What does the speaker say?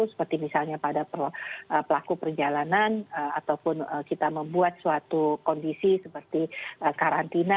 seperti misalnya pada pelaku perjalanan ataupun kita membuat suatu kondisi seperti karantina